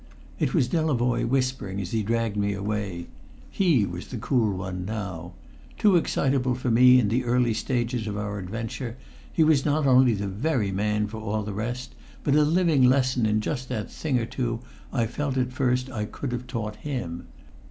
It was Delavoye whispering as he dragged me away. He was the cool one now. Too excitable for me in the early stages of our adventure, he was not only the very man for all the rest, but a living lesson in just that thing or two I felt at first I could have taught him.